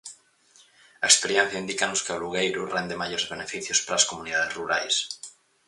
A experiencia indícanos que o alugueiro rende maiores beneficios para as comunidades rurais.